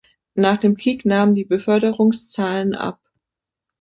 Nach dem Krieg nahmen die Beförderungszahlen ab.